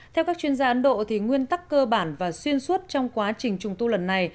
theo các chuyên gia ấn độ nguyên tắc cơ bản và xuyên suốt trong quá trình trùng tu lần này